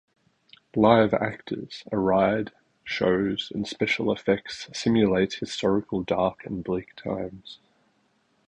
Live actors, a ride, shows and special effects simulate historical dark and bleak times.